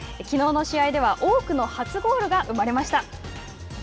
きのうの試合では多くの初ゴールが生まれました。